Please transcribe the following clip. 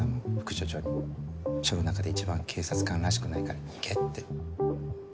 署の中で一番警察官らしくないから行けって。